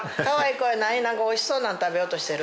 何かおいしそうなの食べようとしてる？